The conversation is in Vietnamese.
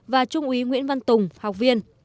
và trung úy nguyễn văn tùng học viên